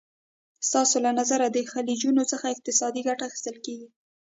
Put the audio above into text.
ستاسو له نظره له خلیجونو څخه اقتصادي ګټه اخیستل کېږي؟